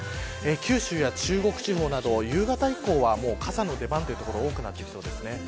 九州や中国地方など夕方以降は傘の出番という所が多くなりそうです。